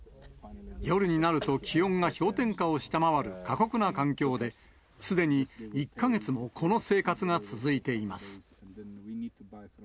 夜になると気温が氷点下を下回る過酷な環境で、すでに１か月もこの生活が続いています。